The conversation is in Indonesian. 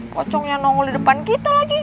kocongnya nongol di depan kita lagi